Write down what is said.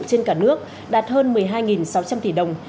trên cả nước đạt hơn một mươi hai sáu trăm linh tỷ đồng